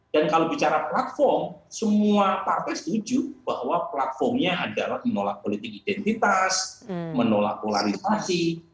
kalau bicara platform semua partai setuju bahwa platformnya adalah menolak politik identitas menolak polarisasi